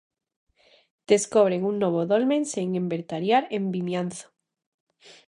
Descobren un novo dolmen sen inventariar en Vimianzo.